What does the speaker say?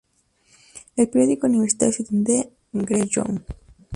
El periódico universitario se titula "The Greyhound".